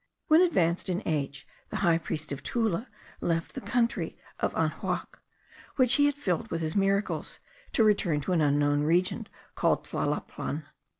When advanced in age, the high priest of Tula left the country of Anahuac, which he had filled with his miracles, to return to an unknown region, called Tlalpallan.